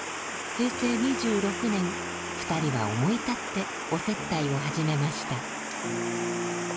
平成２６年２人は思い立ってお接待を始めました。